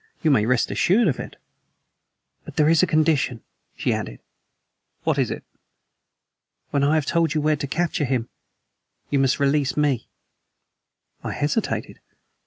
"You may rest assured of it." "But there is a condition," she added. "What is it?" "When I have told you where to capture him you must release me." I hesitated.